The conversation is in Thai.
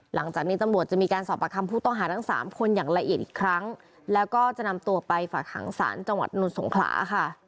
หลังจากนี้ตำรวจจะมีการสอบประคำผู้ต้องหาทั้งสามคนอย่างละเอียดอีกครั้งแล้วก็จะนำตัวไปฝากหางศาลจังหวัดนุนสงขลาค่ะ